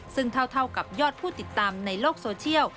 ซึ่งเท่ากับยอดผู้ติดตามในโลกโซเชียล